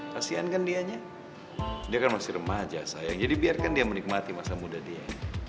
kasian kan dianya dia kan masih remaja saya jadi biarkan dia menikmati masa muda dia